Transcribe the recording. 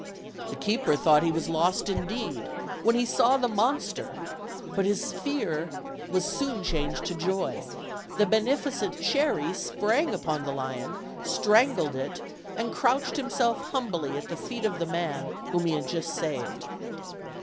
The keeper thought he was lost indeed, when he saw the monster, but his fear was soon changed to joy; the beneficent Cherry sprang upon the lion, strangled it, and crouched himself humbly at the feet of the man whom he had just saved.